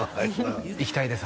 行きたいです